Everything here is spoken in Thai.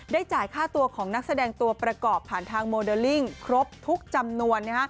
จ่ายค่าตัวของนักแสดงตัวประกอบผ่านทางโมเดลลิ่งครบทุกจำนวน